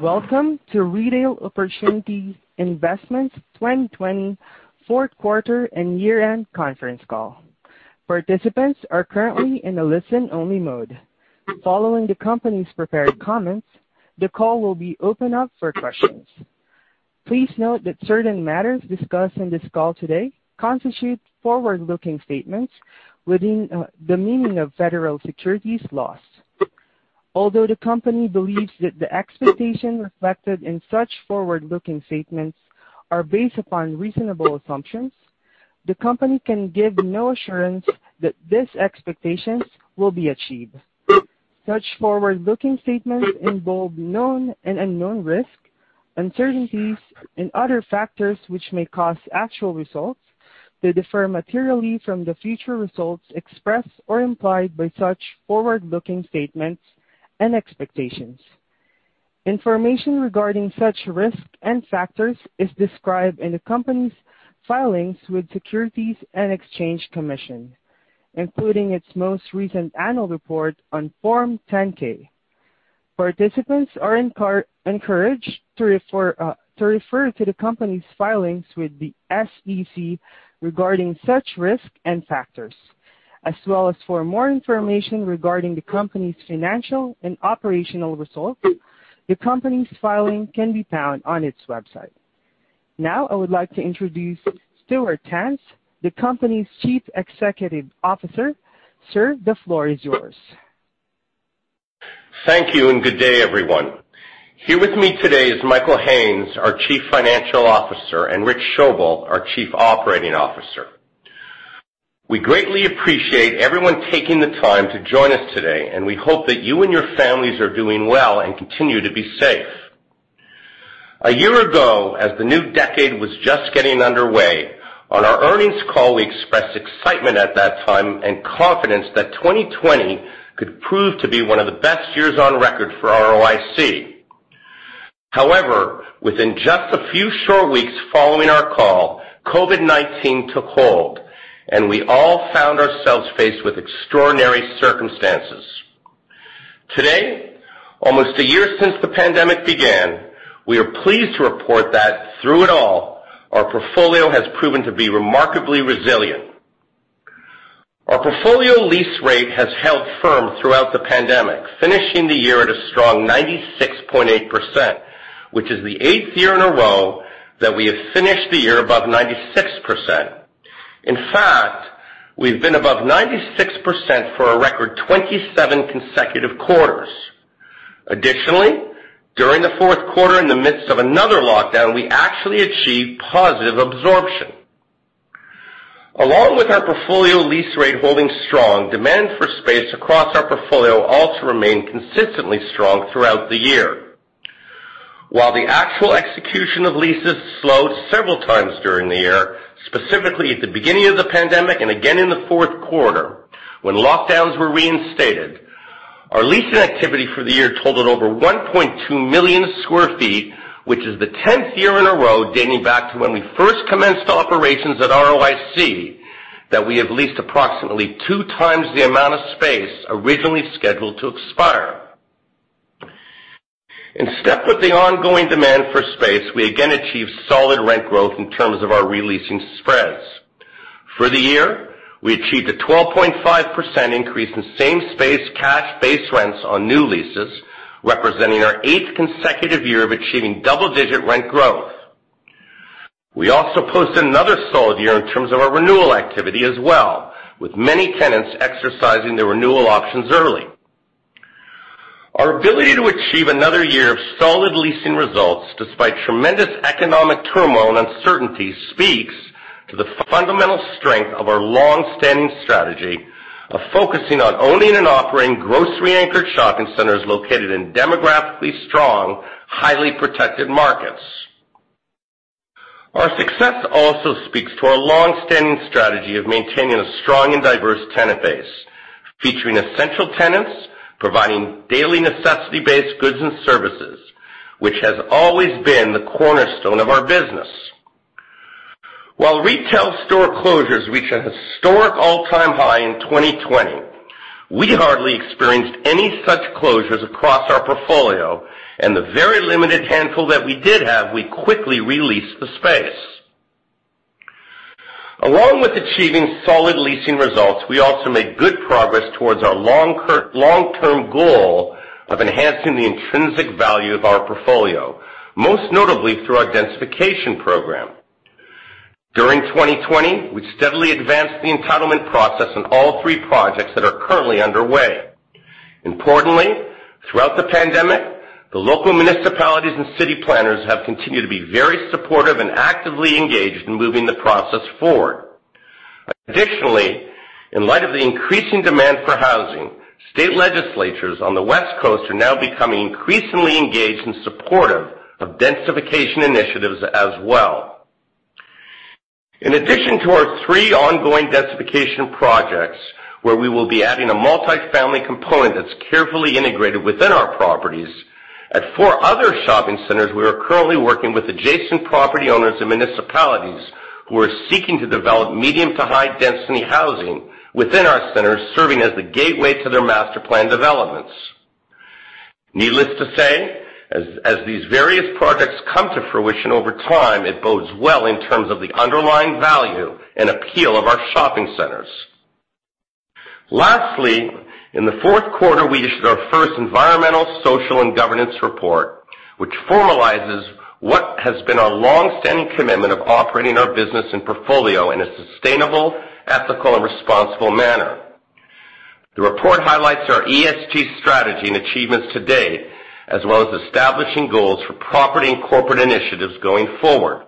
Welcome to Retail Opportunity Investments 2020 fourth quarter and year-end conference call. Participants are currently in a listen-only mode. Following the company's prepared comments, the call will be opened up for questions. Please note that certain matters discussed in this call today constitute forward-looking statements within the meaning of federal securities laws. Although the company believes that the expectations reflected in such forward-looking statements are based upon reasonable assumptions, the company can give no assurance that these expectations will be achieved. Such forward-looking statements involve known and unknown risks, uncertainties, and other factors which may cause actual results to differ materially from the future results expressed or implied by such forward-looking statements and expectations. Information regarding such risks and factors is described in the company's filings with Securities and Exchange Commission, including its most recent annual report on Form 10-K. Participants are encouraged to refer to the company's filings with the SEC regarding such risks and factors, as well as for more information regarding the company's financial and operational results. The company's filing can be found on its website. Now, I would like to introduce Stuart Tanz, the company's Chief Executive Officer. Sir, the floor is yours. Thank you, and good day, everyone. Here with me today is Michael Haines, our Chief Financial Officer, and Rich Schoebel, our Chief Operating Officer. We greatly appreciate everyone taking the time to join us today, and we hope that you and your families are doing well and continue to be safe. A year ago, as the new decade was just getting underway, on our earnings call, we expressed excitement at that time and confidence that 2020 could prove to be one of the best years on record for ROIC. However, within just a few short weeks following our call, COVID-19 took hold and we all found ourselves faced with extraordinary circumstances. Today, almost a year since the pandemic began, we are pleased to report that through it all, our portfolio has proven to be remarkably resilient. Our portfolio lease rate has held firm throughout the pandemic, finishing the year at a strong 96.8%, which is the eighth year in a row that we have finished the year above 96%. In fact, we've been above 96% for a record 27 consecutive quarters. Additionally, during the fourth quarter in the midst of another lockdown, we actually achieved positive absorption. Along with our portfolio lease rate holding strong, demand for space across our portfolio also remained consistently strong throughout the year. While the actual execution of leases slowed several times during the year, specifically at the beginning of the pandemic and again in the fourth quarter when lockdowns were reinstated, our leasing activity for the year totaled over 1.2 million sq ft, which is the 10th year in a row dating back to when we first commenced operations at ROIC that we have leased approximately 2x the amount of space originally scheduled to expire. In step with the ongoing demand for space, we again achieved solid rent growth in terms of our re-leasing spreads. For the year, we achieved a 12.5% increase in same-space cash base rents on new leases, representing our eighth consecutive year of achieving double-digit rent growth. We also posted another solid year in terms of our renewal activity as well, with many tenants exercising their renewal options early. Our ability to achieve another year of solid leasing results despite tremendous economic turmoil and uncertainty speaks to the fundamental strength of our long-standing strategy of focusing on owning and operating grocery-anchored shopping centers located in demographically strong, highly protected markets. Our success also speaks to our long-standing strategy of maintaining a strong and diverse tenant base, featuring essential tenants, providing daily necessity-based goods and services, which has always been the cornerstone of our business. While retail store closures reached a historic all-time high in 2020, we hardly experienced any such closures across our portfolio, and the very limited handful that we did have, we quickly re-leased the space. Along with achieving solid leasing results, we also made good progress towards our long-term goal of enhancing the intrinsic value of our portfolio, most notably through our densification program. During 2020, we steadily advanced the entitlement process on all three projects that are currently underway. Importantly, throughout the pandemic, the local municipalities and city planners have continued to be very supportive and actively engaged in moving the process forward. Additionally, in light of the increasing demand for housing, state legislatures on the West Coast are now becoming increasingly engaged and supportive of densification initiatives as well. In addition to our three ongoing densification projects, where we will be adding a multi-family component that's carefully integrated within our properties, at four other shopping centers we are currently working with adjacent property owners and municipalities who are seeking to develop medium-to-high density housing within our centers, serving as the gateway to their master plan developments. Needless to say, as these various projects come to fruition over time, it bodes well in terms of the underlying value and appeal of our shopping centers. Lastly, in the fourth quarter, we issued our first Environmental, Social, and Governance report, which formalizes what has been a longstanding commitment of operating our business and portfolio in a sustainable, ethical, and responsible manner. The report highlights our ESG strategy and achievements to date, as well as establishing goals for property and corporate initiatives going forward.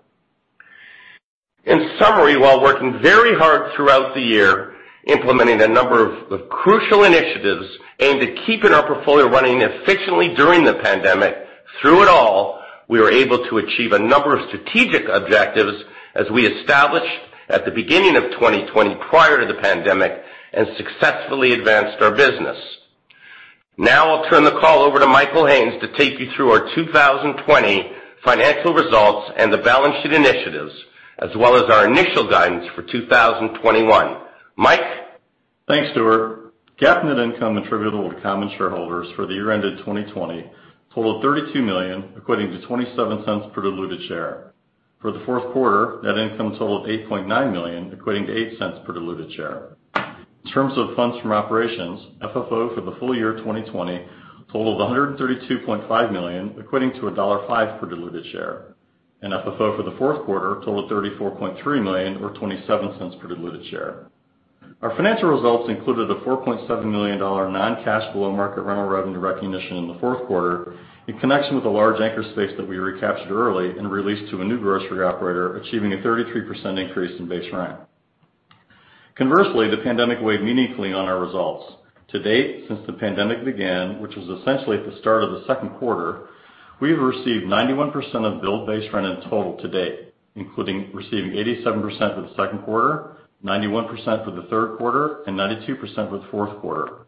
In summary, while working very hard throughout the year implementing a number of crucial initiatives aimed at keeping our portfolio running efficiently during the pandemic, through it all, we were able to achieve a number of strategic objectives as we established at the beginning of 2020, prior to the pandemic, and successfully advanced our business. Now I'll turn the call over to Michael Haines to take you through our 2020 financial results and the balance sheet initiatives, as well as our initial guidance for 2021. Mike? Thanks, Stuart. GAAP net income attributable to common shareholders for the year ended 2020 totaled $32 million, equating to $0.27 per diluted share. For the fourth quarter, net income totaled $8.9 million, equating to $0.08 per diluted share. In terms of funds from operations, FFO for the full year 2020 totaled $132.5 million, equating to $1.05 per diluted share. FFO for the fourth quarter totaled $34.3 million, or $0.27 per diluted share. Our financial results included a $4.7 million non-cash below market rental revenue recognition in the fourth quarter in connection with a large anchor space that we recaptured early and re-leased to a new grocery operator, achieving a 33% increase in base rent. Conversely, the pandemic weighed meaningfully on our results. To date, since the pandemic began, which was essentially at the start of the second quarter, we have received 91% of billed base rent in total to date, including receiving 87% for the second quarter, 91% for the third quarter, and 92% for the fourth quarter.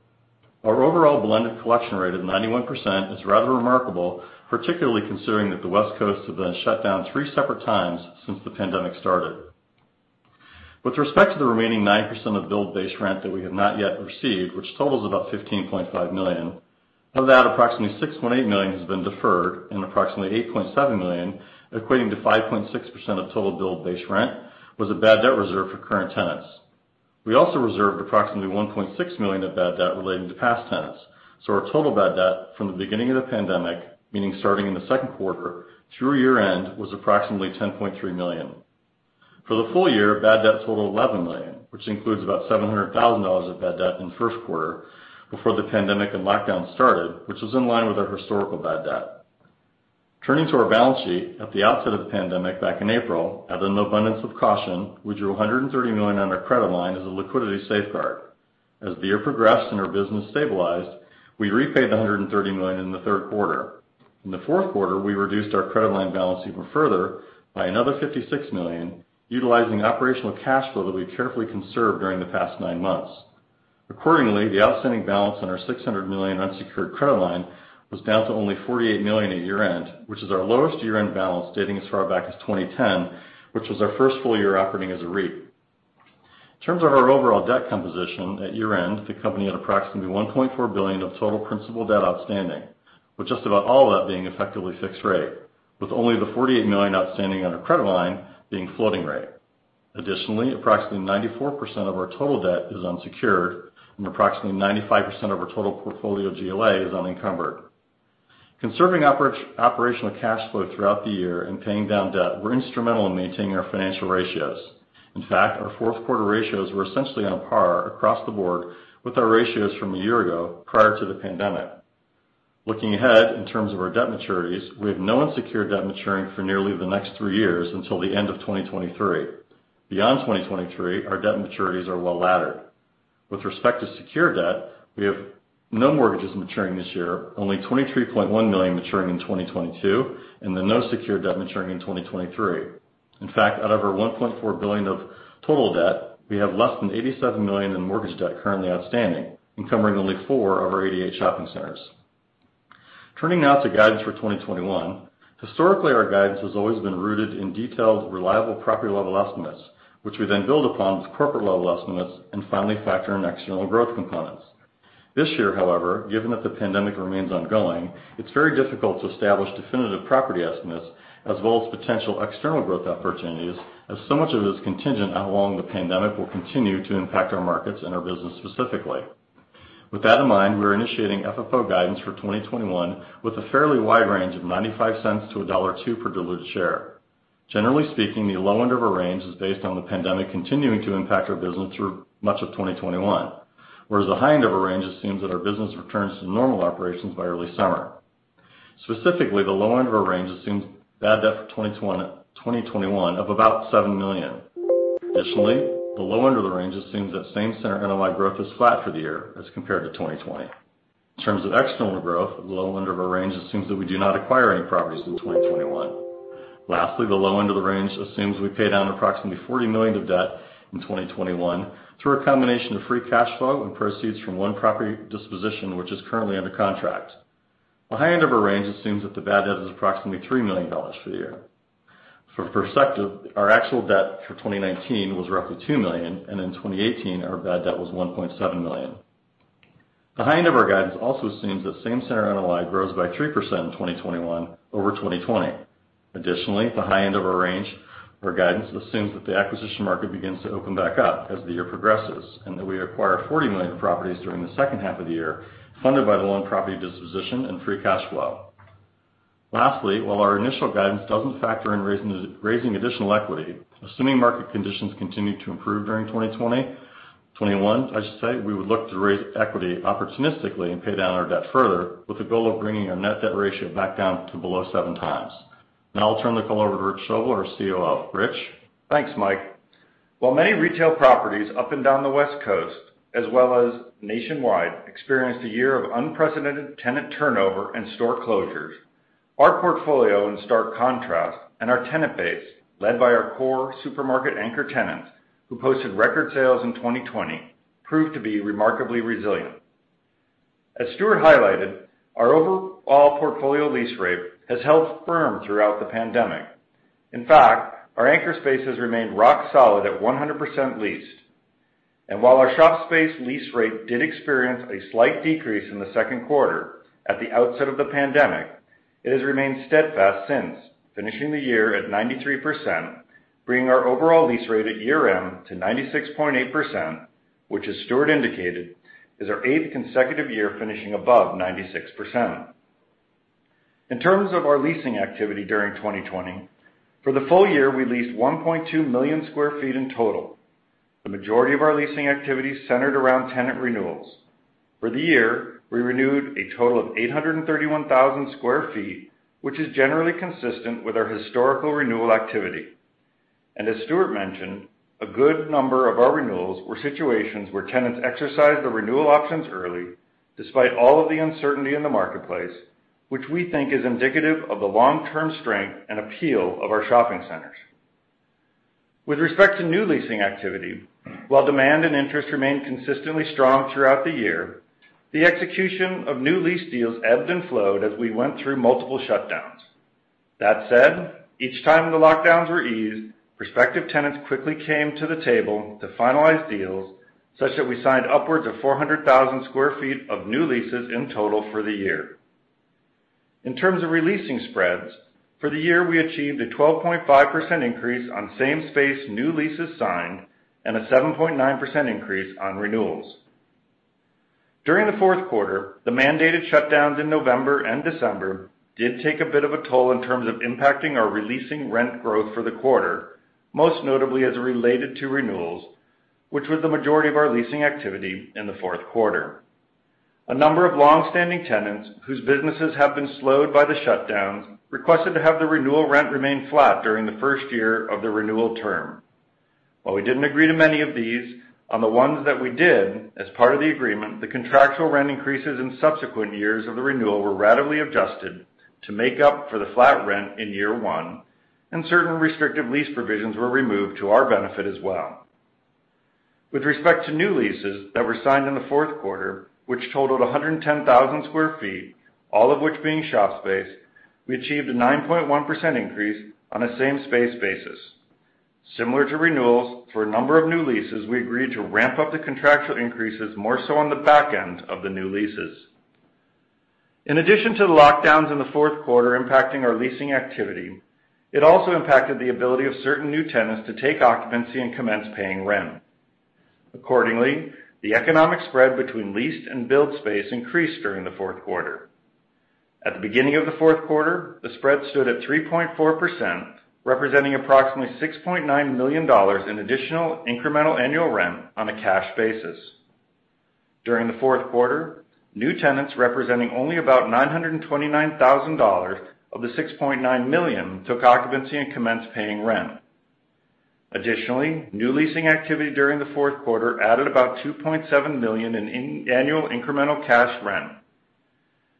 Our overall blended collection rate of 91% is rather remarkable, particularly considering that the West Coast has been shut down three separate times since the pandemic started. With respect to the remaining 9% of billed base rent that we have not yet received, which totals about $15.5 million. Of that, approximately $6.8 million has been deferred, and approximately $8.7 million, equating to 5.6% of total billed base rent, was a bad debt reserve for current tenants. We also reserved approximately $1.6 million of bad debt relating to past tenants, so our total bad debt from the beginning of the pandemic, meaning starting in the second quarter, through year-end, was approximately $10.3 million. For the full year, bad debt totaled $11 million, which includes about $700,000 of bad debt in the first quarter before the pandemic and lockdown started, which was in line with our historical bad debt. Turning to our balance sheet, at the outset of the pandemic back in April, out of an abundance of caution, we drew $130 million on our credit line as a liquidity safeguard. As the year progressed and our business stabilized, we repaid the $130 million in the third quarter. In the fourth quarter, we reduced our credit line balance even further by another $56 million, utilizing operational cash flow that we carefully conserved during the past nine months. The outstanding balance on our $600 million unsecured credit line was down to only $48 million at year-end, which is our lowest year-end balance dating as far back as 2010, which was our first full year operating as a REIT. In terms of our overall debt composition, at year-end, the company had approximately $1.4 billion of total principal debt outstanding, with just about all of that being effectively fixed rate, with only the $48 million outstanding on our credit line being floating rate. Approximately 94% of our total debt is unsecured, and approximately 95% of our total portfolio GLA is unencumbered. Conserving operational cash flow throughout the year and paying down debt were instrumental in maintaining our financial ratios. Our fourth quarter ratios were essentially on par across the board with our ratios from a year ago prior to the pandemic. Looking ahead in terms of our debt maturities, we have no unsecured debt maturing for nearly the next three years until the end of 2023. Beyond 2023, our debt maturities are well-laddered. With respect to secured debt, we have no mortgages maturing this year, only $23.1 million maturing in 2022, and then no secured debt maturing in 2023. In fact, out of our $1.4 billion of total debt, we have less than $87 million in mortgage debt currently outstanding, encumbering only four of our 88 shopping centers. Turning now to guidance for 2021. Historically, our guidance has always been rooted in detailed, reliable property-level estimates, which we then build upon with corporate-level estimates, and finally factor in external growth components. This year, however, given that the pandemic remains ongoing, it's very difficult to establish definitive property estimates as well as potential external growth opportunities as so much of it is contingent on how long the pandemic will continue to impact our markets and our business specifically. With that in mind, we are initiating FFO guidance for 2021 with a fairly wide range of $0.95-$1.02 per diluted share. Generally speaking, the low end of our range is based on the pandemic continuing to impact our business through much of 2021, whereas the high end of our range assumes that our business returns to normal operations by early summer. Specifically, the low end of our range assumes bad debt for 2021 of about $7 million. Additionally, the low end of the range assumes that same center NOI growth is flat for the year as compared to 2020. In terms of external growth, the low end of our range assumes that we do not acquire any properties in 2021. Lastly, the low end of the range assumes we pay down approximately $40 million of debt in 2021 through a combination of free cash flow and proceeds from one property disposition, which is currently under contract. The high end of our range assumes that the bad debt is approximately $3 million for the year. For perspective, our actual debt for 2019 was roughly $2 million, and in 2018, our bad debt was $1.7 million. The high end of our guidance also assumes that same center NOI grows by 3% in 2021 over 2020. The high end of our range for guidance assumes that the acquisition market begins to open back up as the year progresses, and that we acquire $40 million properties during the second half of the year, funded by the loan property disposition and free cash flow. While our initial guidance doesn't factor in raising additional equity, assuming market conditions continue to improve during 2021, we would look to raise equity opportunistically and pay down our debt further, with the goal of bringing our net debt ratio back down to below 7x. I'll turn the call over to Rich Schoebel, our COO. Rich? Thanks, Mike. While many retail properties up and down the West Coast, as well as nationwide, experienced a year of unprecedented tenant turnover and store closures, our portfolio in stark contrast, and our tenant base, led by our core supermarket anchor tenants, who posted record sales in 2020, proved to be remarkably resilient. As Stuart highlighted, our overall portfolio lease rate has held firm throughout the pandemic. In fact, our anchor space has remained rock solid at 100% leased. While our shop space lease rate did experience a slight decrease in the second quarter at the outset of the pandemic, it has remained steadfast since, finishing the year at 93%, bringing our overall lease rate at year-end to 96.8%, which, as Stuart indicated, is our eighth consecutive year finishing above 96%. In terms of our leasing activity during 2020, for the full year, we leased 1.2 million sq ft in total. The majority of our leasing activity centered around tenant renewals. For the year, we renewed a total of 831,000 sq ft, which is generally consistent with our historical renewal activity. As Stuart mentioned, a good number of our renewals were situations where tenants exercised the renewal options early, despite all of the uncertainty in the marketplace, which we think is indicative of the long-term strength and appeal of our shopping centers. With respect to new leasing activity, while demand and interest remained consistently strong throughout the year, the execution of new lease deals ebbed and flowed as we went through multiple shutdowns. That said, each time the lockdowns were eased, prospective tenants quickly came to the table to finalize deals such that we signed upwards of 400,000 sq ft of new leases in total for the year. In terms of re-leasing spreads, for the year, we achieved a 12.5% increase on same-space new leases signed and a 7.9% increase on renewals. During the fourth quarter, the mandated shutdowns in November and December did take a bit of a toll in terms of impacting our re-leasing rent growth for the quarter, most notably as it related to renewals, which was the majority of our leasing activity in the fourth quarter. A number of longstanding tenants whose businesses have been slowed by the shutdowns requested to have the renewal rent remain flat during the first year of the renewal term. While we didn't agree to many of these, on the ones that we did, as part of the agreement, the contractual rent increases in subsequent years of the renewal were ratably adjusted to make up for the flat rent in year one, and certain restrictive lease provisions were removed to our benefit as well. With respect to new leases that were signed in the fourth quarter, which totaled 110,000 sq ft, all of which being shop space, we achieved a 9.1% increase on a same-space basis. Similar to renewals, for a number of new leases, we agreed to ramp up the contractual increases more so on the back end of the new leases. In addition to the lockdowns in the fourth quarter impacting our leasing activity, it also impacted the ability of certain new tenants to take occupancy and commence paying rent. Accordingly, the economic spread between leased and build space increased during the fourth quarter. At the beginning of the fourth quarter, the spread stood at 3.4%, representing approximately $6.9 million in additional incremental annual rent on a cash basis. During the fourth quarter, new tenants representing only about $929,000 of the $6.9 million took occupancy and commenced paying rent. Additionally, new leasing activity during the fourth quarter added about $2.7 million in annual incremental cash rent.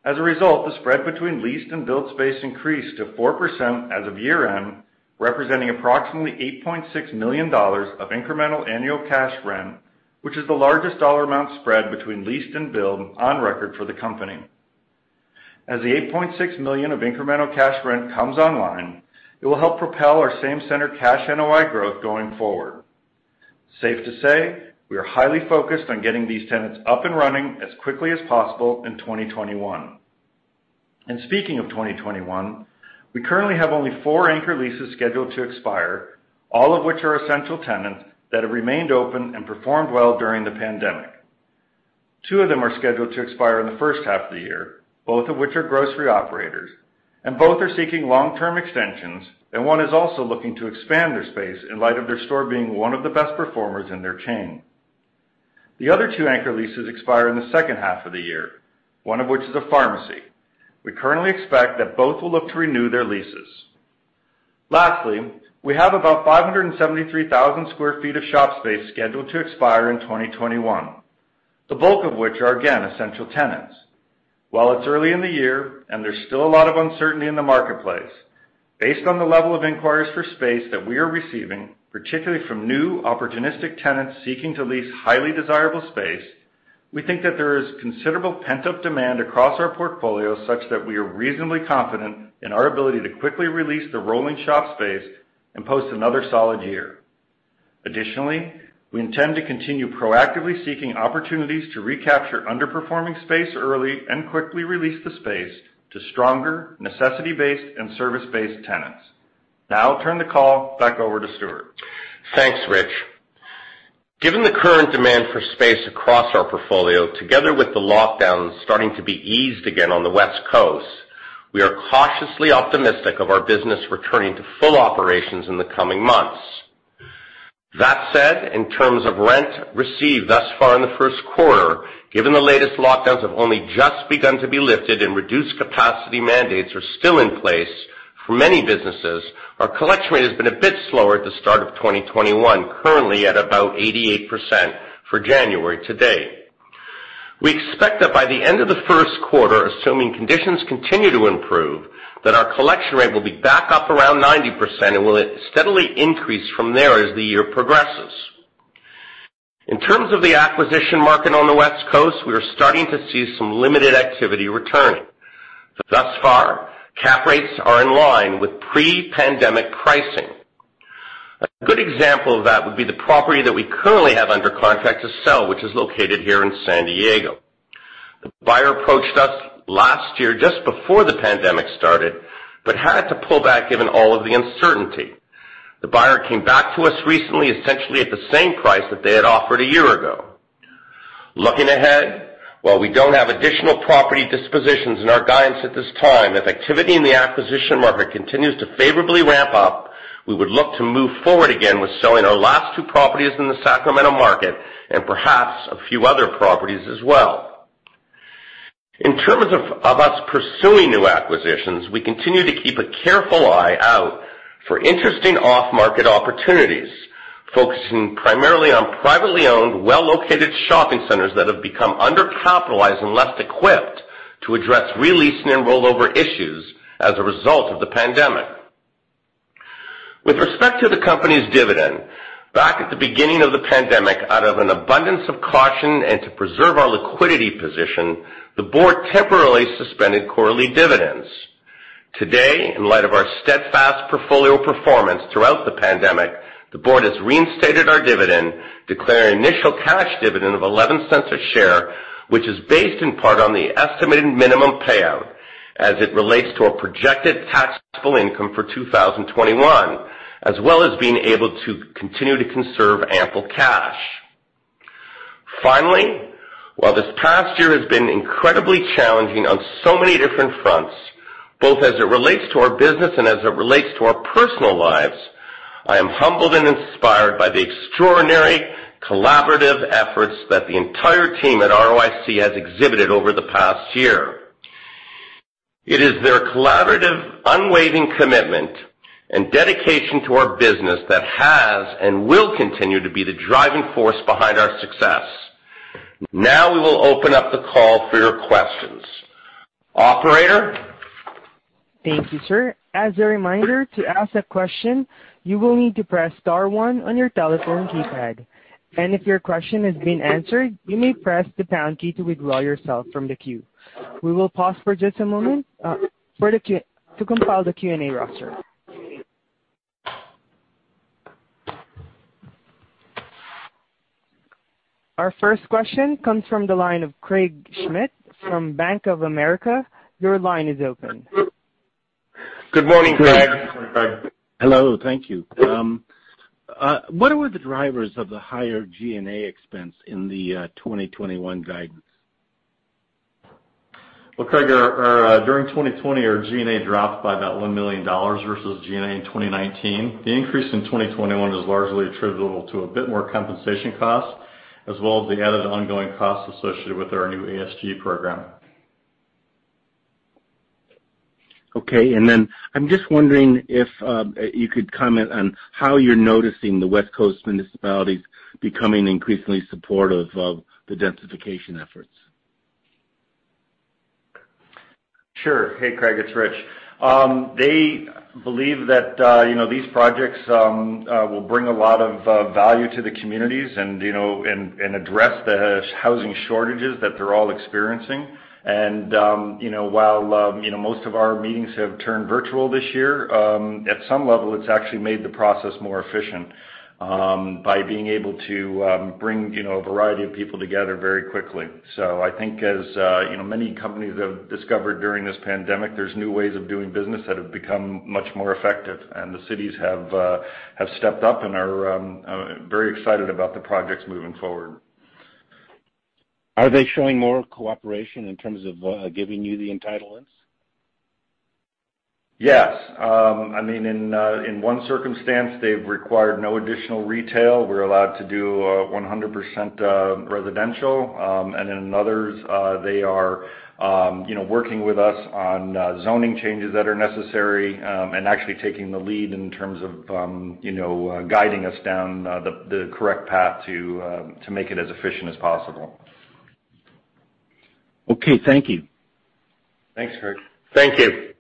As a result, the spread between leased and build space increased to 4% as of year-end, representing approximately $8.6 million of incremental annual cash rent, which is the largest dollar amount spread between leased and build on record for the company. As the $8.6 million of incremental cash rent comes online, it will help propel our same center cash NOI growth going forward. Safe to say, we are highly focused on getting these tenants up and running as quickly as possible in 2021. Speaking of 2021, we currently have only four anchor leases scheduled to expire, all of which are essential tenants that have remained open and performed well during the pandemic. Two of them are scheduled to expire in the first half of the year, both of which are grocery operators, both are seeking long-term extensions, one is also looking to expand their space in light of their store being one of the best performers in their chain. The other two anchor leases expire in the second half of the year, one of which is a pharmacy. We currently expect that both will look to renew their leases. Lastly, we have about 573,000 sq ft of shop space scheduled to expire in 2021, the bulk of which are, again, essential tenants. While it's early in the year and there's still a lot of uncertainty in the marketplace. Based on the level of inquiries for space that we are receiving, particularly from new opportunistic tenants seeking to lease highly desirable space, we think that there is considerable pent-up demand across our portfolio such that we are reasonably confident in our ability to quickly re-lease the rolling shop space and post another solid year. Additionally, we intend to continue proactively seeking opportunities to recapture underperforming space early and quickly re-lease the space to stronger necessity-based and service-based tenants. I'll turn the call back over to Stuart. Thanks, Rich. Given the current demand for space across our portfolio, together with the lockdowns starting to be eased again on the West Coast, we are cautiously optimistic of our business returning to full operations in the coming months. That said, in terms of rent received thus far in the first quarter, given the latest lockdowns have only just begun to be lifted and reduced capacity mandates are still in place for many businesses, our collection rate has been a bit slower at the start of 2021, currently at about 88% for January to date. We expect that by the end of the first quarter, assuming conditions continue to improve, that our collection rate will be back up around 90% and will steadily increase from there as the year progresses. In terms of the acquisition market on the West Coast, we are starting to see some limited activity returning. Thus far, cap rates are in line with pre-pandemic pricing. A good example of that would be the property that we currently have under contract to sell, which is located here in San Diego. The buyer approached us last year just before the pandemic started, but had to pull back given all of the uncertainty. The buyer came back to us recently, essentially at the same price that they had offered a year ago. Looking ahead, while we don't have additional property dispositions in our guidance at this time, if activity in the acquisition market continues to favorably ramp up, we would look to move forward again with selling our last two properties in the Sacramento market and perhaps a few other properties as well. In terms of us pursuing new acquisitions, we continue to keep a careful eye out for interesting off-market opportunities, focusing primarily on privately owned, well-located shopping centers that have become undercapitalized and less equipped to address re-leasing and rollover issues as a result of the pandemic. With respect to the company's dividend, back at the beginning of the pandemic, out of an abundance of caution and to preserve our liquidity position, the board temporarily suspended quarterly dividends. Today, in light of our steadfast portfolio performance throughout the pandemic, the board has reinstated our dividend, declaring initial cash dividend of $0.11 a share, which is based in part on the estimated minimum payout as it relates to our projected taxable income for 2021, as well as being able to continue to conserve ample cash. Finally, while this past year has been incredibly challenging on so many different fronts, both as it relates to our business and as it relates to our personal lives, I am humbled and inspired by the extraordinary collaborative efforts that the entire team at ROIC has exhibited over the past year. It is their collaborative, unwavering commitment and dedication to our business that has and will continue to be the driving force behind our success. Now we will open up the call for your questions. Operator? Thank you, sir. As a reminder, to ask a question, you will need to press star one on your telephone keypad. If your question has been answered, you may press the pound key to withdraw yourself from the queue. We will pause for just a moment to compile the Q&A roster. Our first question comes from the line of Craig Schmidt from Bank of America. Your line is open. Good morning, Craig. Hi. Hello, thank you. What were the drivers of the higher G&A expense in the 2021 guidance? Well, Craig, during 2020, our G&A dropped by about $1 million versus G&A in 2019. The increase in 2021 is largely attributable to a bit more compensation costs, as well as the added ongoing costs associated with our new ESG program. Okay. I'm just wondering if you could comment on how you're noticing the West Coast municipalities becoming increasingly supportive of the densification efforts. Sure. Hey, Craig, it's Rich. They believe that these projects will bring a lot of value to the communities and address the housing shortages that they're all experiencing. While most of our meetings have turned virtual this year, at some level, it's actually made the process more efficient by being able to bring a variety of people together very quickly. I think as many companies have discovered during this pandemic, there's new ways of doing business that have become much more effective. The cities have stepped up and are very excited about the projects moving forward. Are they showing more cooperation in terms of giving you the entitlements? Yes. In one circumstance, they've required no additional retail. We're allowed to do 100% residential. In others, they are working with us on zoning changes that are necessary and actually taking the lead in terms of guiding us down the correct path to make it as efficient as possible. Okay, thank you. Thanks, Craig. Thank you.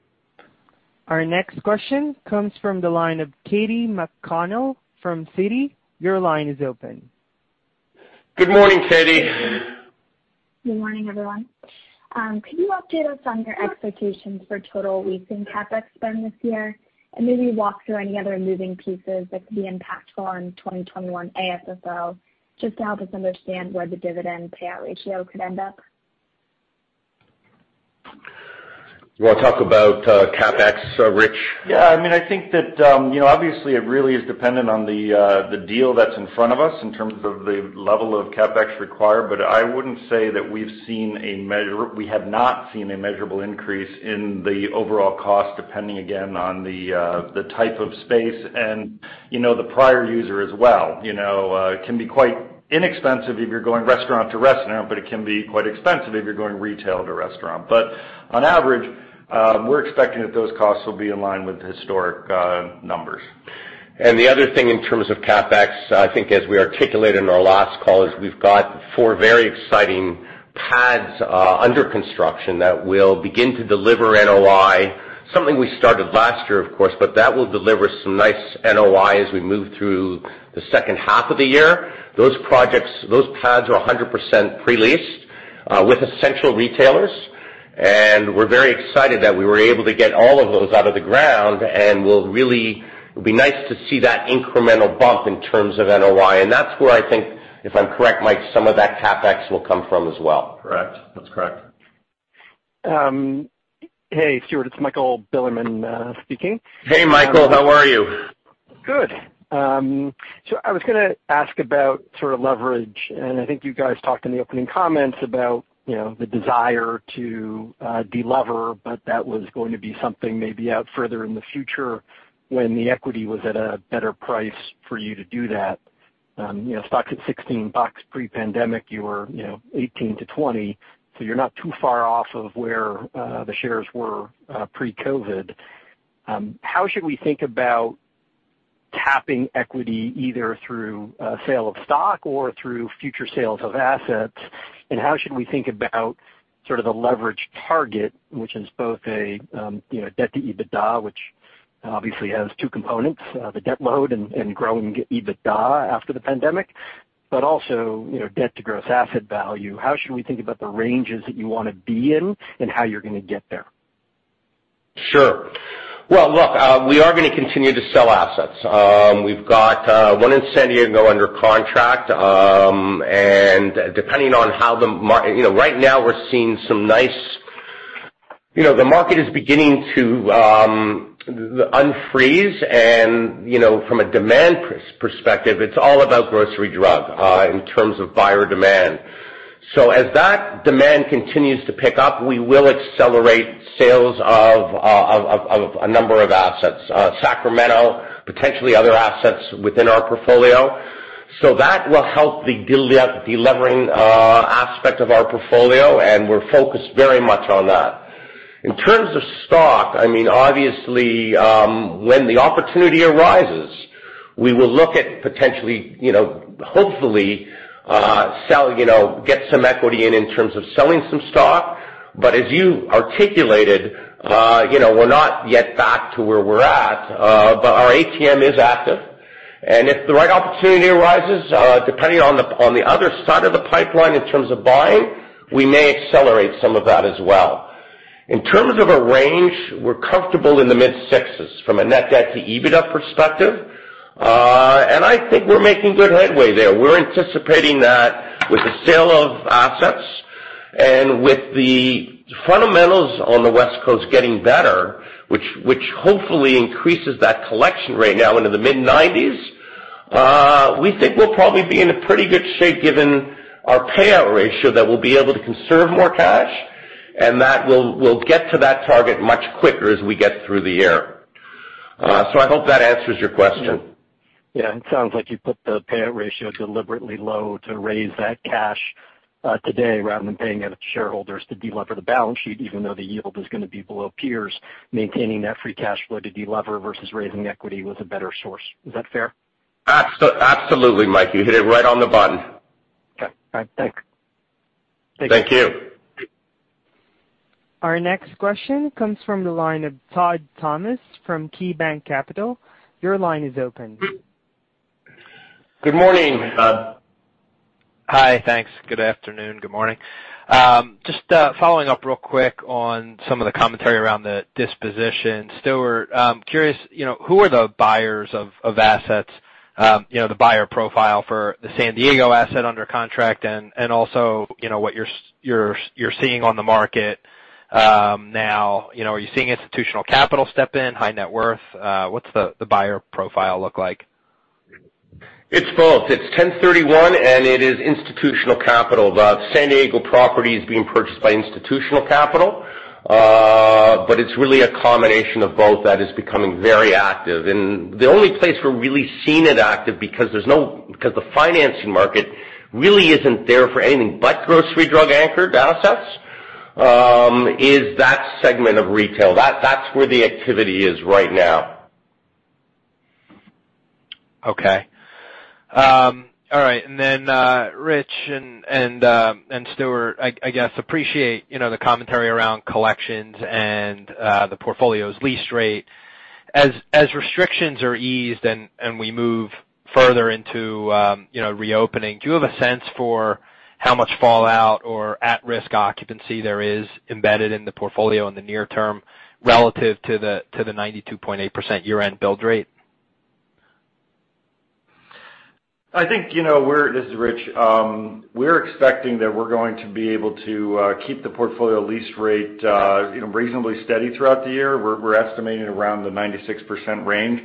Our next question comes from the line of Katy McConnell from Citi. Your line is open. Good morning, Katy. Good morning, everyone. Could you update us on your expectations for total leasing CapEx spend this year, and maybe walk through any other moving pieces that could be impactful on 2021 AFFO, just to help us understand where the dividend payout ratio could end up? You want to talk about CapEx, Rich? Yeah, I think that obviously it really is dependent on the deal that's in front of us in terms of the level of CapEx required. I wouldn't say that we have not seen a measurable increase in the overall cost, depending, again, on the type of space and the prior user as well. It can be quite inexpensive if you're going restaurant to restaurant, but it can be quite expensive if you're going retail to restaurant. On average, we're expecting that those costs will be in line with historic numbers. The other thing in terms of CapEx, I think as we articulated in our last call, is we've got four very exciting pads under construction that will begin to deliver NOI. Something we started last year, of course, but that will deliver some nice NOI as we move through the second half of the year. Those pads are 100% pre-leased with essential retailers, and we're very excited that we were able to get all of those out of the ground, and it'll be nice to see that incremental bump in terms of NOI. That's where I think, if I'm correct, Mike, some of that CapEx will come from as well. Correct. That's correct. Hey, Stuart, it's Michael Bilerman speaking. Hey, Michael. How are you? Good. I was going to ask about sort of leverage, and I think you guys talked in the opening comments about the desire to de-lever, but that was going to be something maybe out further in the future when the equity was at a better price for you to do that. Stock's at $16 pre-pandemic, you were $18-$20, so you're not too far off of where the shares were pre-COVID. How should we think about tapping equity, either through sale of stock or through future sales of assets, and how should we think about sort of the leverage target, which is both a debt to EBITDA, which obviously has two components, the debt load and growing EBITDA after the pandemic, but also, debt to gross asset value? How should we think about the ranges that you want to be in, and how you're going to get there? Sure. Well, look, we are going to continue to sell assets. We've got one in San Diego under contract, and right now we're seeing the market is beginning to unfreeze and from a demand perspective, it's all about grocery drug in terms of buyer demand. As that demand continues to pick up, we will accelerate sales of a number of assets, Sacramento, potentially other assets within our portfolio. That will help the de-levering aspect of our portfolio, and we're focused very much on that. In terms of stock, obviously, when the opportunity arises, we will look at potentially, hopefully, get some equity in in terms of selling some stock. As you articulated, we're not yet back to where we're at. Our ATM is active, and if the right opportunity arises, depending on the other side of the pipeline in terms of buying, we may accelerate some of that as well. In terms of a range, we're comfortable in the mid-sixes from a net debt to EBITDA perspective. I think we're making good headway there. We're anticipating that with the sale of assets and with the fundamentals on the West Coast getting better, which hopefully increases that collection rate now into the mid-nineties. We think we'll probably be in a pretty good shape given our payout ratio, that we'll be able to conserve more cash, and that we'll get to that target much quicker as we get through the year. I hope that answers your question. Yeah. It sounds like you put the payout ratio deliberately low to raise that cash today rather than paying out shareholders to de-lever the balance sheet, even though the yield is going to be below peers, maintaining that free cash flow to de-lever versus raising equity was a better source. Is that fair? Absolutely, Mike. You hit it right on the button. Okay. All right. Thanks. Thank you. Our next question comes from the line of Todd Thomas from KeyBank Capital. Your line is open. Good morning. Hi. Thanks. Good afternoon, good morning. Just following up real quick on some of the commentary around the disposition. Stuart, I'm curious, who are the buyers of assets, the buyer profile for the San Diego asset under contract and also, what you're seeing on the market now? Are you seeing institutional capital step in, high net worth? What's the buyer profile look like? It's both. It's 1031 and it is institutional capital. The San Diego property is being purchased by institutional capital. It's really a combination of both that is becoming very active. The only place we're really seeing it active because the financing market really isn't there for anything but grocery drug anchored assets, is that segment of retail. That's where the activity is right now. Okay. All right. Rich and Stuart, I guess, appreciate the commentary around collections and the portfolio's lease rate. As restrictions are eased and we move further into reopening, do you have a sense for how much fallout or at-risk occupancy there is embedded in the portfolio in the near term relative to the 92.8% year-end build rate? This is Rich. We're expecting that we're going to be able to keep the portfolio lease rate reasonably steady throughout the year. We're estimating around the 96% range.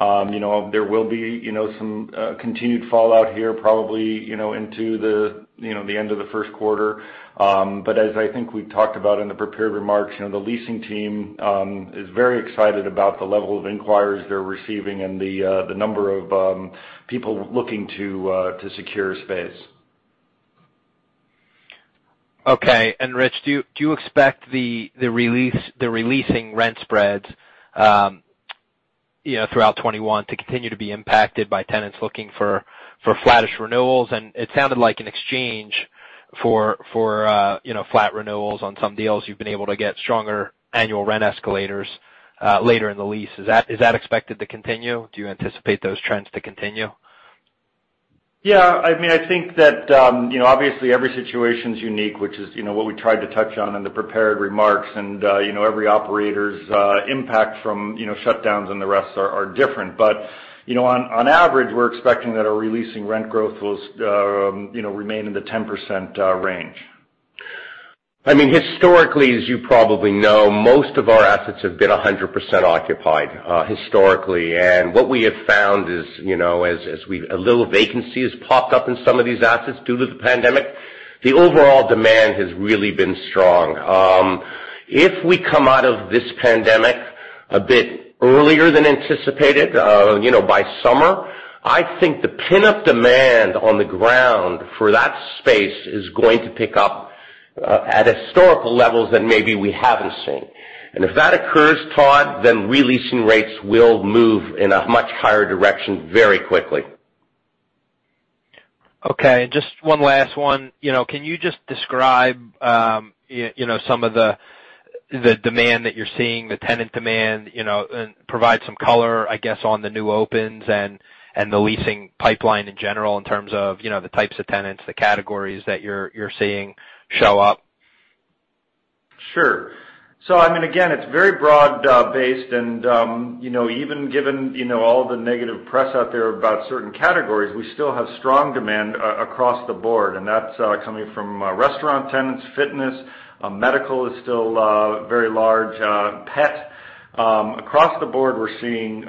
There will be some continued fallout here, probably into the end of the first quarter. As I think we talked about in the prepared remarks, the leasing team is very excited about the level of inquiries they're receiving and the number of people looking to secure space. Okay. Rich, do you expect the releasing rent spreads throughout 2021 to continue to be impacted by tenants looking for flattish renewals? It sounded like an exchange for flat renewals on some deals, you've been able to get stronger annual rent escalators later in the lease. Is that expected to continue? Do you anticipate those trends to continue? Yeah. I think that obviously every situation's unique, which is what we tried to touch on in the prepared remarks. Every operator's impact from shutdowns and the rest are different. On average, we're expecting that our releasing rent growth will remain in the 10% range. Historically, as you probably know, most of our assets have been 100% occupied. What we have found is, as a little vacancy has popped up in some of these assets due to the pandemic, the overall demand has really been strong. If we come out of this pandemic a bit earlier than anticipated, by summer, I think the pent-up demand on the ground for that space is going to pick up at historical levels that maybe we haven't seen. If that occurs, Todd, then re-leasing rates will move in a much higher direction very quickly. Okay. Just one last one. Can you just describe some of the demand that you're seeing, the tenant demand, and provide some color, I guess, on the new opens and the leasing pipeline in general in terms of the types of tenants, the categories that you're seeing show up? Sure. Again, it's very broad-based and even given all the negative press out there about certain categories, we still have strong demand across the board, and that's coming from restaurant tenants, fitness, medical is still very large, pet. Across the board, we're seeing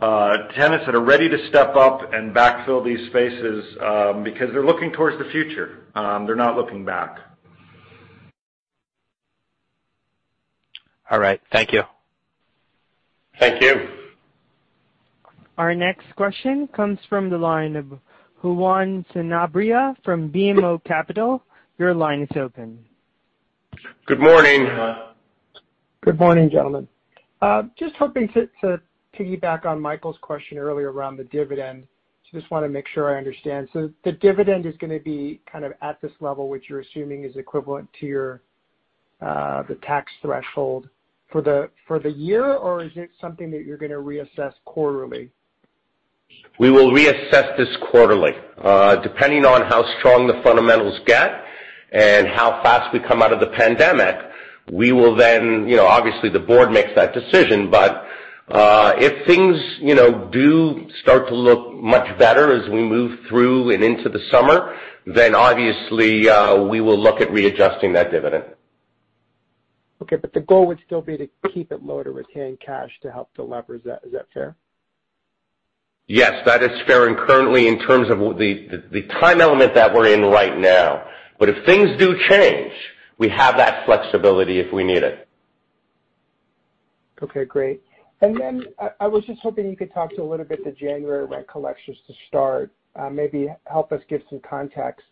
tenants that are ready to step up and backfill these spaces because they're looking towards the future. They're not looking back. All right. Thank you. Thank you. Our next question comes from the line of Juan Sanabria from BMO Capital. Good morning. Good morning, gentlemen. Just hoping to piggyback on Michael's question earlier around the dividend. Just want to make sure I understand. The dividend is going to be kind of at this level, which you're assuming is equivalent to the tax threshold for the year, or is it something that you're going to reassess quarterly? We will reassess this quarterly. Depending on how strong the fundamentals get and how fast we come out of the pandemic, we will, obviously the board makes that decision, but if things do start to look much better as we move through and into the summer, then obviously, we will look at readjusting that dividend. Okay, the goal would still be to keep it low to retain cash to help leverage that. Is that fair? Yes, that is fair. Currently, in terms of the time element that we're in right now, if things do change, we have that flexibility if we need it. Okay, great. Then I was just hoping you could talk to a little bit the January rent collections to start. Maybe help us give some context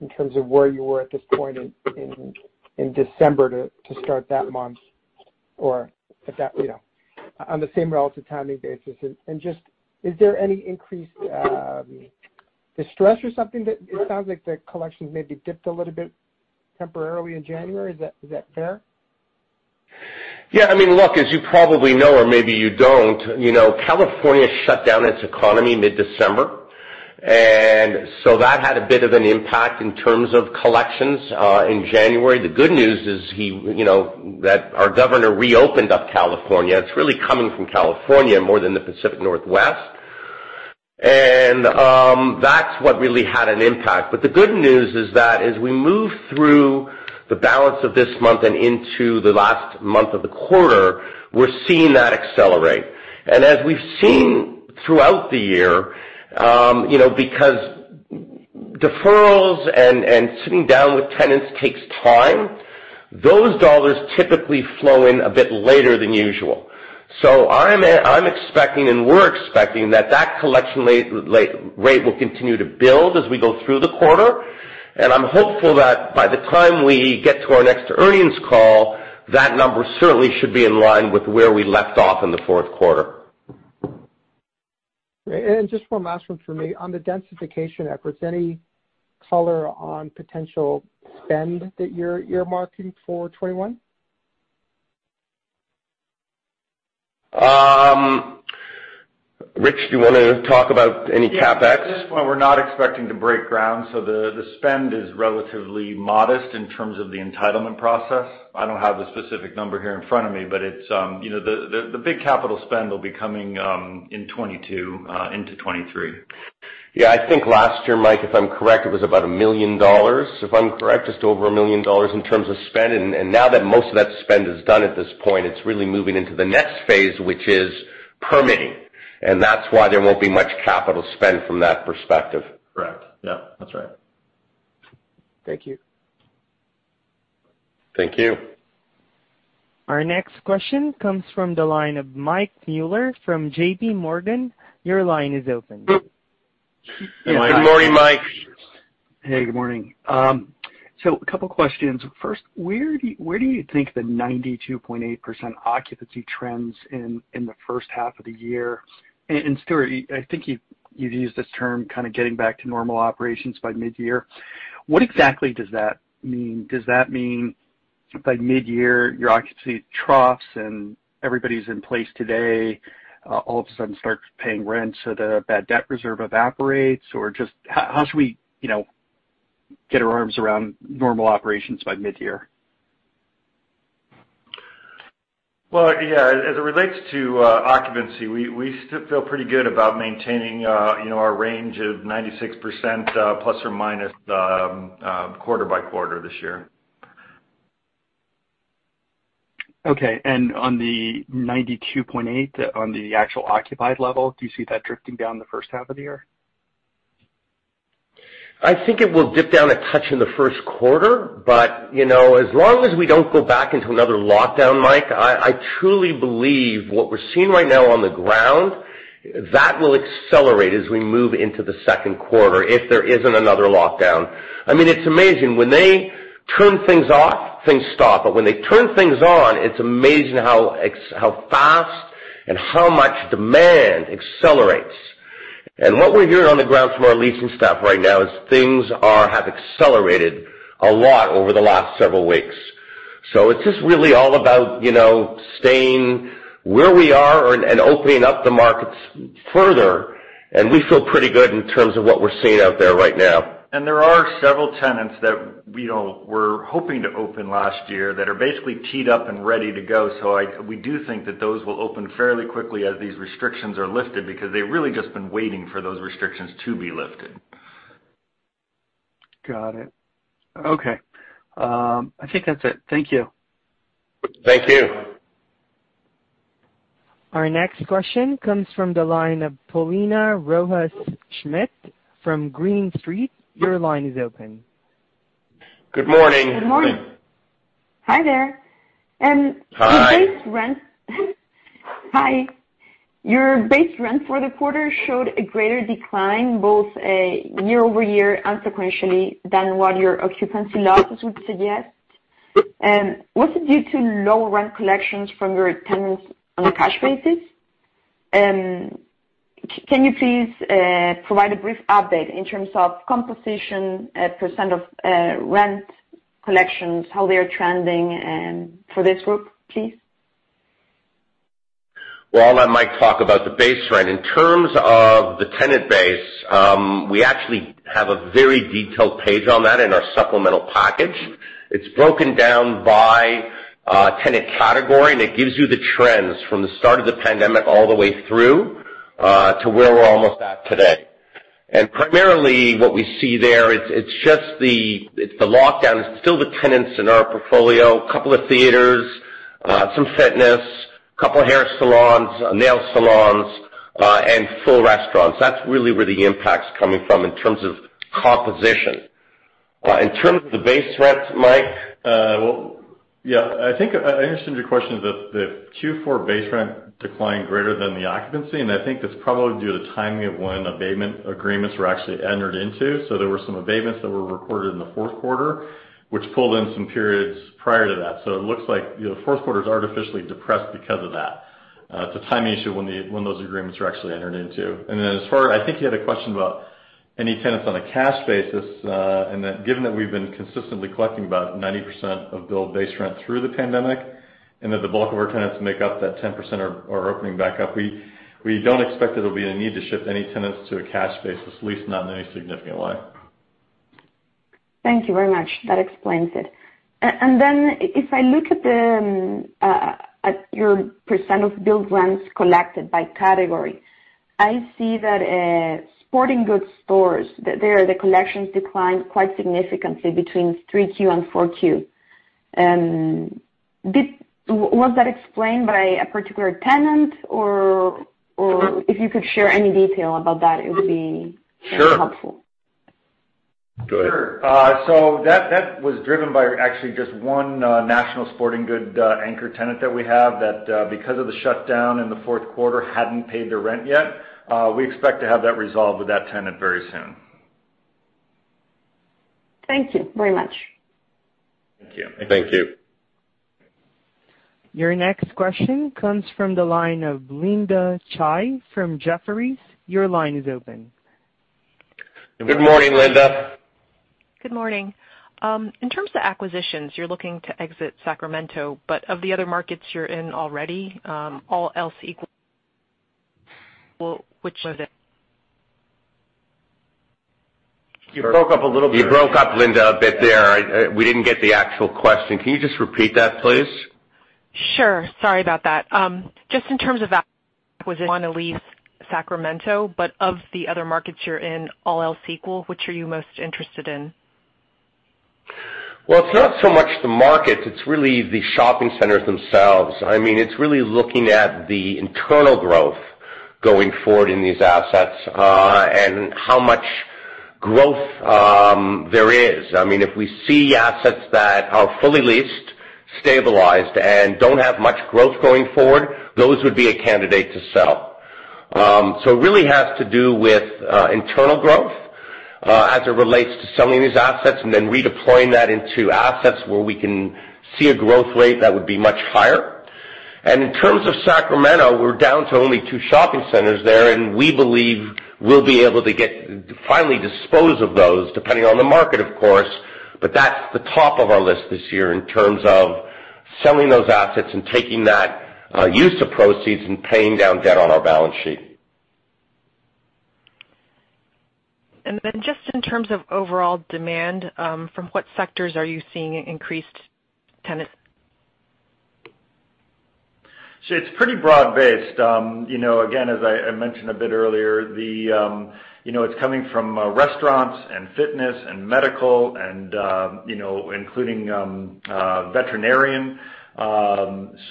in terms of where you were at this point in December to start that month, or on the same relative timing basis. Just, is there any increased distress or something that it sounds like the collections maybe dipped a little bit temporarily in January? Is that fair? Yeah. Look, as you probably know, or maybe you don't, California shut down its economy mid-December. That had a bit of an impact in terms of collections in January. The good news is that our governor reopened up California. It's really coming from California more than the Pacific Northwest. That's what really had an impact. The good news is that as we move through the balance of this month and into the last month of the quarter, we're seeing that accelerate. As we've seen throughout the year, because deferrals and sitting down with tenants takes time, those dollars typically flow in a bit later than usual. I'm expecting, and we're expecting that that collection rate will continue to build as we go through the quarter. I'm hopeful that by the time we get to our next earnings call, that number certainly should be in line with where we left off in the fourth quarter. Just one last one from me. On the densification efforts, any color on potential spend that you're marking for 2021? Rich, do you want to talk about any CapEx? Yeah. At this point, we're not expecting to break ground, so the spend is relatively modest in terms of the entitlement process. I don't have the specific number here in front of me, but the big capital spend will be coming in 2022 into 2023. Yeah, I think last year, Mike, if I'm correct, it was about $1 million, if I'm correct, just over $1 million in terms of spend. Now that most of that spend is done at this point, it's really moving into the next phase, which is permitting. That's why there won't be much capital spend from that perspective. Correct. Yep. That's right. Thank you. Thank you. Our next question comes from the line of Mike Mueller from JPMorgan. Your line is open. Good morning, Mike. Hey, good morning. A couple questions. First, where do you think the 92.8% occupancy trends in the first half of the year? Stuart, I think you've used this term, kind of getting back to normal operations by mid-year. What exactly does that mean? Does that mean by mid-year, your occupancy troughs and everybody's in place today, all of a sudden starts paying rent, so the bad debt reserve evaporates? How should we get our arms around normal operations by mid-year? Well, yeah. As it relates to occupancy, we still feel pretty good about maintaining our range of 96%± quarter by quarter this year. Okay. On the 92.8 on the actual occupied level, do you see that drifting down the first half of the year? I think it will dip down a touch in the first quarter, but as long as we don't go back into another lockdown, Mike, I truly believe what we're seeing right now on the ground, that will accelerate as we move into the second quarter if there isn't another lockdown. It's amazing, when they turn things off, things stop. When they turn things on, it's amazing how fast and how much demand accelerates. What we're hearing on the ground from our leasing staff right now is things have accelerated a lot over the last several weeks. It's just really all about staying where we are and opening up the markets further, and we feel pretty good in terms of what we're seeing out there right now. There are several tenants that we're hoping to open last year that are basically teed up and ready to go. We do think that those will open fairly quickly as these restrictions are lifted because they've really just been waiting for those restrictions to be lifted. Got it. Okay. I think that's it. Thank you. Thank you. Our next question comes from the line of Paulina Rojas Schmidt from Green Street. Your line is open. Good morning. Good morning. Hi there. Hi. Hi. Your base rent for the quarter showed a greater decline, both year-over-year and sequentially than what your occupancy losses would suggest. Was it due to low rent collections from your tenants on a cash basis? Can you please provide a brief update in terms of composition, percent of rent collections, how they are trending, and for this group, please? Well, I'll let Mike talk about the base rent. In terms of the tenant base, we actually have a very detailed page on that in our supplemental package. It's broken down by tenant category, and it gives you the trends from the start of the pandemic all the way through to where we're almost at today. Primarily what we see there, it's the lockdown. It's still the tenants in our portfolio, a couple of theaters, some fitness, couple hair salons, nail salons, and full restaurants. That's really where the impact's coming from in terms of composition. In terms of the base rents, Mike? Well, yeah. I think I understand your question is that the Q4 base rent declined greater than the occupancy. I think that's probably due to the timing of when abatement agreements were actually entered into. There were some abatements that were recorded in the fourth quarter, which pulled in some periods prior to that. It looks like the fourth quarter's artificially depressed because of that. It's a timing issue when those agreements were actually entered into. I think you had a question about any tenants on a cash basis. Given that we've been consistently collecting about 90% of billed base rent through the pandemic, the bulk of our tenants make up that 10% are opening back up. We don't expect that there'll be a need to shift any tenants to a cash basis, at least not in any significant way. Thank you very much. That explains it. Then if I look at your percent of billed rents collected by category, I see that sporting goods stores, there the collections declined quite significantly between 3Q and 4Q. Was that explained by a particular tenant, or if you could share any detail about that, it would be helpful. Sure. Go ahead. That was driven by actually just one national sporting goods anchor tenant that we have that because of the shutdown in the fourth quarter, hadn't paid their rent yet. We expect to have that resolved with that tenant very soon. Thank you very much. Thank you. Thank you. Your next question comes from the line of Linda Tsai from Jefferies. Your line is open. Good morning, Linda. Good morning. In terms of acquisitions, you're looking to exit Sacramento, but of the other markets you're in already, all else equal, which are the- You broke up a little bit. You broke up Linda a bit there. We didn't get the actual question. Can you just repeat that, please? Sure. Sorry about that. Just in terms of acquisition, you want to leave Sacramento, but of the other markets you're in, all else equal, which are you most interested in? Well, it's not so much the market, it's really the shopping centers themselves. It's really looking at the internal growth going forward in these assets, and how much growth there is. If we see assets that are fully leased, stabilized, and don't have much growth going forward, those would be a candidate to sell. It really has to do with internal growth as it relates to selling these assets, and then redeploying that into assets where we can see a growth rate that would be much higher. In terms of Sacramento, we're down to only two shopping centers there, and we believe we'll be able to finally dispose of those, depending on the market, of course. That's the top of our list this year in terms of selling those assets and taking that use of proceeds and paying down debt on our balance sheet. Just in terms of overall demand, from what sectors are you seeing increased tenant? It's pretty broad-based. Again, as I mentioned a bit earlier, it's coming from restaurants and fitness and medical including veterinarian. It's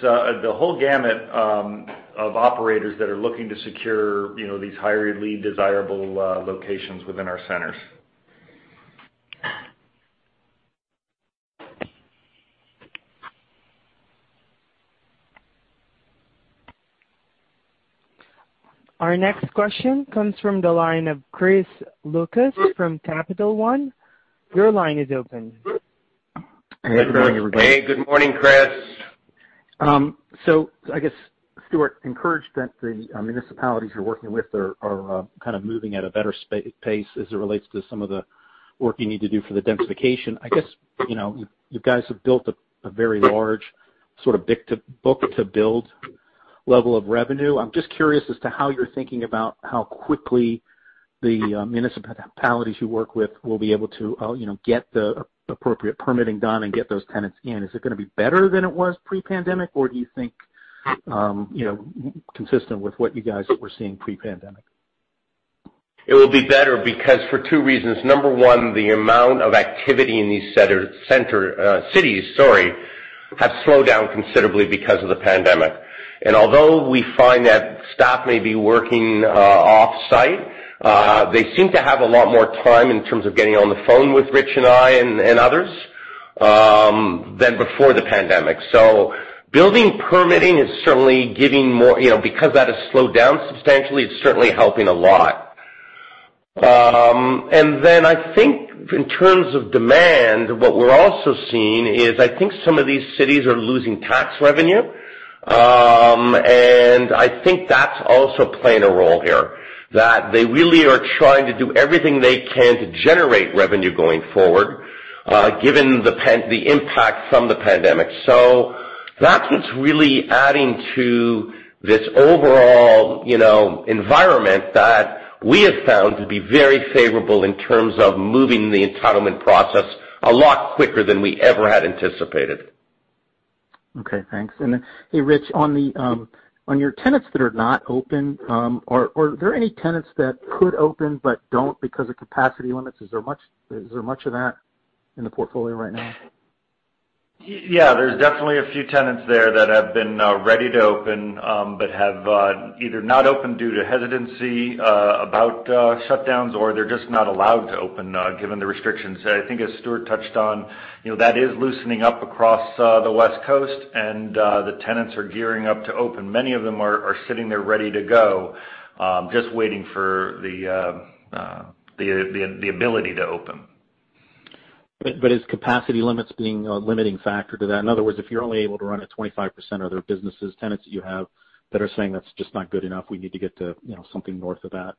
the whole gamut of operators that are looking to secure these highly desirable locations within our centers. Our next question comes from the line of Chris Lucas from Capital One. Your line is open. Good morning, everybody. Hey, good morning, Chris. I guess, Stuart, encouraged that the municipalities you're working with are kind of moving at a better pace as it relates to some of the work you need to do for the densification. I guess, you guys have built a very large sort of book to build level of revenue. I'm just curious as to how you're thinking about how quickly the municipalities you work with will be able to get the appropriate permitting done and get those tenants in. Is it going to be better than it was pre-pandemic, or do you think consistent with what you guys were seeing pre-pandemic? It will be better because for two reasons. Number one, the amount of activity in these cities has slowed down considerably because of the pandemic. Although we find that staff may be working off-site, they seem to have a lot more time in terms of getting on the phone with Rich and I and others, than before the pandemic. Building permitting is certainly giving more because that has slowed down substantially, it's certainly helping a lot. I think in terms of demand, what we're also seeing is, I think some of these cities are losing tax revenue. I think that's also playing a role here. That they really are trying to do everything they can to generate revenue going forward, given the impact from the pandemic. That's what's really adding to this overall environment that we have found to be very favorable in terms of moving the entitlement process a lot quicker than we ever had anticipated. Okay, thanks. Hey, Rich, on your tenants that are not open, are there any tenants that could open but don't because of capacity limits? Is there much of that in the portfolio right now? Yeah, there's definitely a few tenants there that have been ready to open, but have either not opened due to hesitancy about shutdowns, or they're just not allowed to open given the restrictions. I think as Stuart touched on, that is loosening up across the West Coast and the tenants are gearing up to open. Many of them are sitting there ready to go, just waiting for the ability to open. Is capacity limits being a limiting factor to that? In other words, if you're only able to run at 25%, are there businesses, tenants that you have that are saying that's just not good enough, we need to get to something north of that?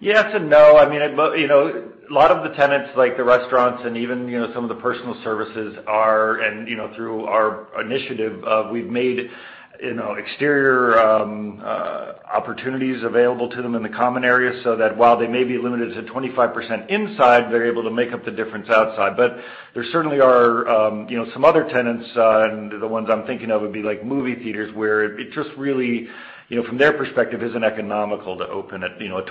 Yes and no. A lot of the tenants, like the restaurants and even some of the personal services are, and through our initiative, we've made exterior opportunities available to them in the common area, so that while they may be limited to 25% inside, they're able to make up the difference outside. There certainly are some other tenants, and the ones I'm thinking of would be like movie theaters, where it just really, from their perspective, isn't economical to open at 25%.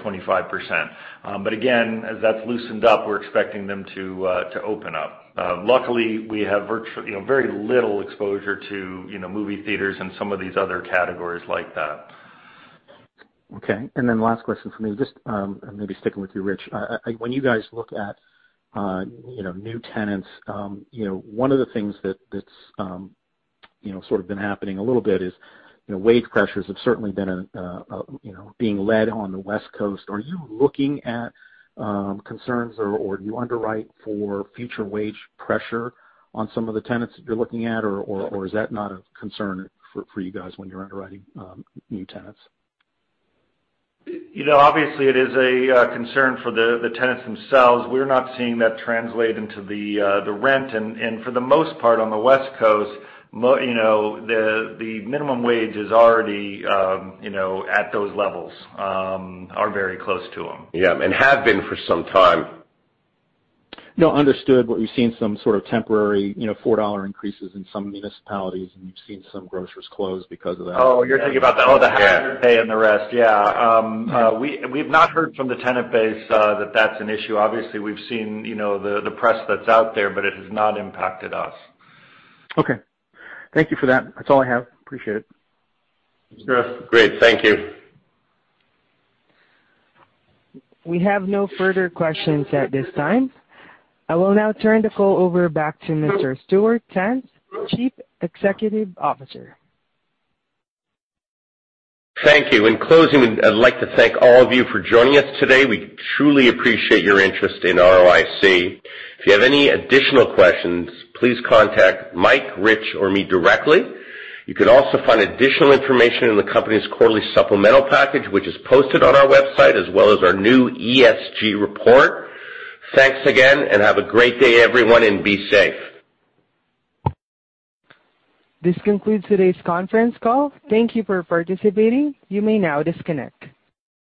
Again, as that's loosened up, we're expecting them to open up. Luckily, we have very little exposure to movie theaters and some of these other categories like that. Okay, last question for me. Just maybe sticking with you, Rich. When you guys look at new tenants, one of the things that's sort of been happening a little bit is, wage pressures have certainly been being led on the West Coast. Are you looking at concerns or do you underwrite for future wage pressure on some of the tenants that you're looking at, or is that not a concern for you guys when you're underwriting new tenants? Obviously it is a concern for the tenants themselves. We're not seeing that translate into the rent. For the most part on the West Coast, the minimum wage is already at those levels or very close to them. Yeah, and have been for some time. No, understood. We've seen some sort of temporary $4 increases in some municipalities, and we've seen some grocers close because of that. Oh, you're thinking about the hazard pay and the rest. Yeah. We've not heard from the tenant base that that's an issue. Obviously, we've seen the press that's out there, but it has not impacted us. Okay. Thank you for that. That's all I have. Appreciate it. Sure. Great. Thank you. We have no further questions at this time. I will now turn the call over back to Mr. Stuart Tanz, Chief Executive Officer. Thank you. In closing, I'd like to thank all of you for joining us today. We truly appreciate your interest in ROIC. If you have any additional questions, please contact Mike, Rich, or me directly. You can also find additional information in the company's quarterly supplemental package, which is posted on our website, as well as our new ESG report. Thanks again, and have a great day everyone, and be safe. This concludes today's conference call. Thank you for participating. You may now disconnect.